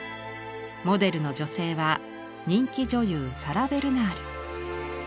モデルの女性は人気女優サラ・ベルナール。